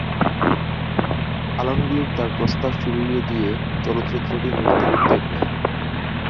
আলমগীর তার প্রস্তাব ফিরিয়ে দিয়ে চলচ্চিত্রটি মুক্তির উদ্যোগ নেয়।